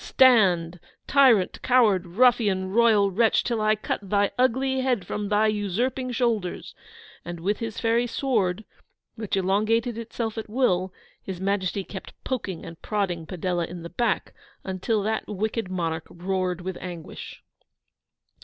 Stand, tyrant, coward, ruffian, royal wretch, till I cut thy ugly head from thy usurping shoulders!' And, with his fairy sword, which elongated itself at will, His Majesty kept poking and prodding Padella in the back, until that wicked monarch roared with anguish.